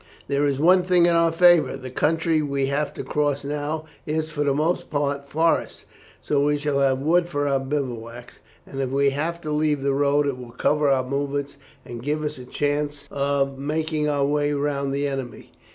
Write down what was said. There is one thing in our favour, the country we have to cross now is for the most part forest; so we shall have wood for our bivouacs, and if we have to leave the road it will cover our movements and give us a chance of making our way round the enemy.